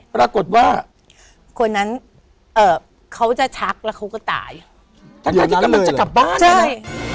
ปรากฏว่าคนนั้นเอ่อเขาจะชักแล้วเขาก็ตายทั้งที่กำลังจะกลับบ้านใช่